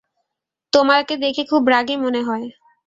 তোমাকে দেখে খুব রাগী মনে হয়।